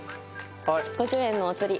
５０円のお釣り。